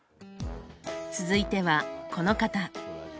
続いてはこの方。